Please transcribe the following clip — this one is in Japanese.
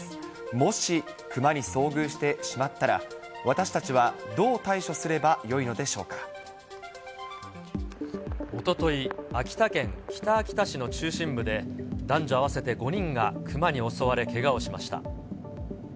もし、クマに遭遇してしまったら、私たちはどう対処すればよいのでおととい、秋田県北秋田市の中心部で、男女合わせて５人がクマに襲われ、けがをしました。